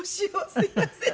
すいません。